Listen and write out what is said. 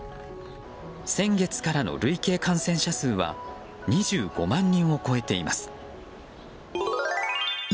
先月からの累計感染者数は２５万人を超えています。